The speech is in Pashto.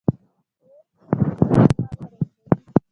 ورور ته د مرستې لاس ور اوږدوې.